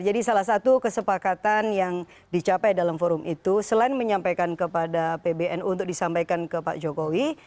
jadi salah satu kesepakatan yang dicapai dalam forum itu selain menyampaikan kepada pbnu untuk disampaikan ke pak jokowi